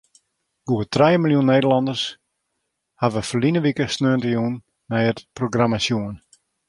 Goed trije miljoen Nederlanners hawwe ferline wike sneontejûn nei it programma sjoen.